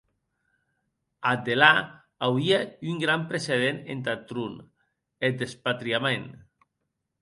Ath delà, auie un gran precedent entath tron, eth despatriament.